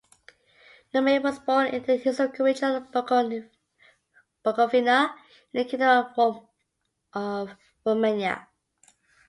Neumayer was born in the historical region of Bukovina in the Kingdom of Romania.